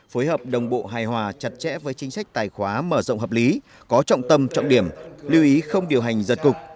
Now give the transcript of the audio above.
phối hợp đồng bộ hài hòa chặt chẽ với chính sách tài khoá mở rộng hợp lý có trọng tâm trọng điểm lưu ý không điều hành giật cục